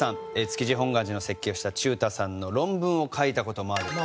築地本願寺の設計をした忠太さんの論文を書いた事もあると。